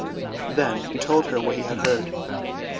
Then he told her what he had heard.